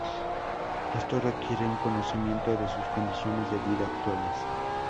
Esto requiere un conocimiento de sus condiciones de vida actuales.